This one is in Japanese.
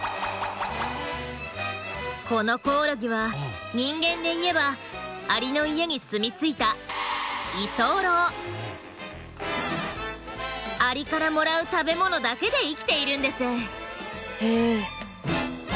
このコオロギは人間でいえばアリの家に住み着いたアリからもらう食べ物だけで生きているんです。